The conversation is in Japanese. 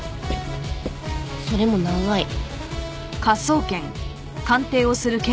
それも長い。